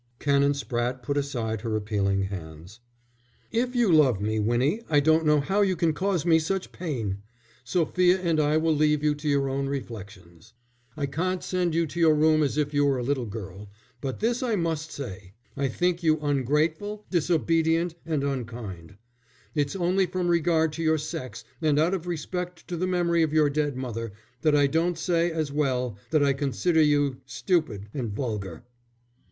Canon Spratte put aside her appealing hands. "If you love me, Winnie, I don't know how you can cause me such pain. Sophia and I will leave you to your own reflections. I can't send you to your room as if you were a little girl, but this I must say: I think you ungrateful, disobedient, and unkind. It's only from regard to your sex, and out of respect to the memory of your dead mother, that I don't say, as well, that I consider you stupid and vulgar."